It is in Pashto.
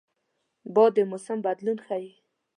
باد د موسم بدلون ښيي